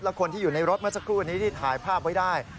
และคนที่อยู่ในรถเมื่อสักครู่นี้ที่ถ่ายภาพไว้ได้